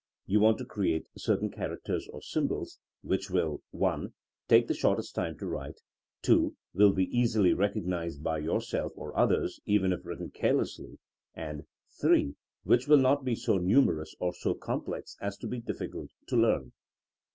You want to create THINEmO AS A SCIENCE 41 certain characters or symbols, which will (1) take the shortest time to write, (2) will be easily recognized by yourself or others, even if writ ten carelessly, and (3) which will not be so numerous or so complex as to be difficult to learn.